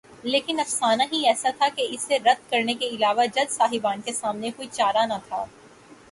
لیکن افسانہ ہی ایسا تھا کہ اسے رد کرنے کے علاوہ جج صاحبان کے سامنے کوئی چارہ نہ تھا۔